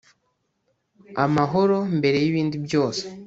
amahoro mbere y'ibindi byose